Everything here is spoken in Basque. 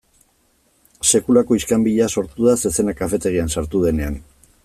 Sekulako iskanbila sortu da zezena kafetegian sartu denean.